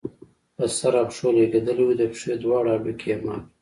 په سر او پښو لګېدلی وو، د پښې دواړه هډوکي يې مات وو